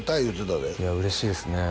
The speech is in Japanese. いや嬉しいですね